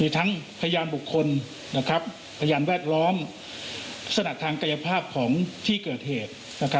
ทั้งพยานบุคคลพยานแวดล้อมลักษณะทางกายภาพของที่เกิดเหตุ